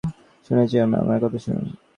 আপনার কথা আমরা অনেক শুনেছি, আজ আমার কথাটা শুনুন।